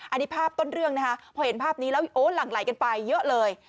อันนี้ภาพต้นเรื่องนะคะพอเห็นภาพนี้แล้วโอ้หลั่งไหลกันไปเยอะเลย